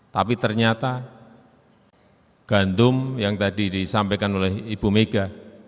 tapi ternyata gantum yang tadi disampaikan oleh ibu mega